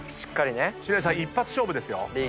知念さん一発勝負ですよ。